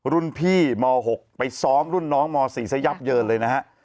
รุ่นพี่ม๖ไปซ้อมรุ่นน้องม๔ซะยับเยินเลยนะฮะ